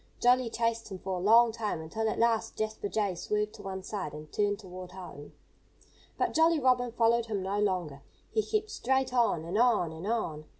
Jolly chased him for a long time, until at last Jasper Jay swerved to one side and turned toward home. But Jolly Robin followed him no longer. He kept straight on, and on, and on.